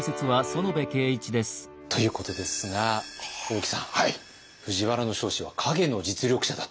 ということですが大木さん藤原彰子は陰の実力者だった。